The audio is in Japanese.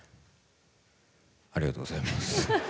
ありがとうございます。